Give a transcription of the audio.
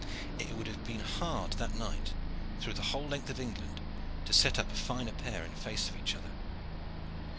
It would have been hard that night, through the whole length of England, to set up a finer pair in face of each other.